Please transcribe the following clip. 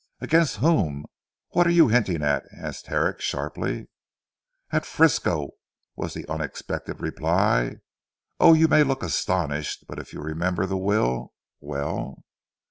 "Against whom? What are you hinting at?" asked Herrick sharply. "At Frisco," was the unexpected reply. "Oh, you may look astonished, but if you remember the will? well?"